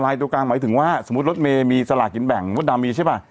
สหรัฐไลน์โดยการหมายถึงว่าสมมุติรถเมย์มีสลากกินแบ่งมัวดดำมีใช่ป่ะ